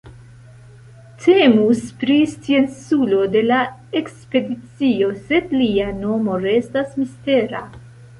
Temus pri scienculo de la ekspedicio sed lia nomo restas mistera.